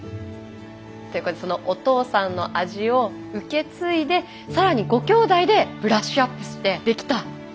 ということでそのお父さんの味を受け継いで更にご兄弟でブラッシュアップしてできたたまり醤油せんべい。